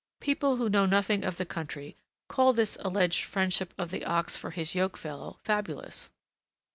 People who know nothing of the country call this alleged friendship of the ox for his yoke fellow fabulous.